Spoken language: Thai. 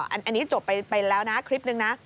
อันนี้จบไปแล้วนะคลิปนึงนะ